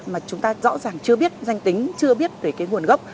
mà chúng ta rõ ràng chưa biết danh tính chưa biết về cái nguồn gốc